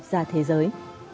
ra thế giới